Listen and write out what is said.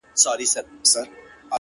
پر مخ وريځ؛